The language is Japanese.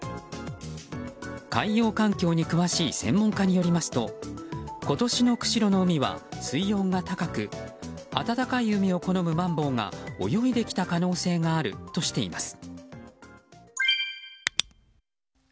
海洋環境に詳しい専門家によりますと今年の釧路の海は水温が高く暖かい海を好むマンボウが泳いできた可能性があるとしています。